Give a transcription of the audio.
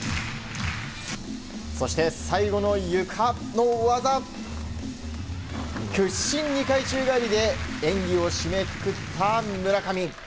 そして、最後のゆかの大技屈身２回宙返りで演技を締めくくった村上。